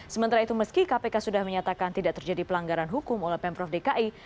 sementara itu meski kpk sudah menyatakan tidak terjadi pelanggaran hukum oleh pemprov dki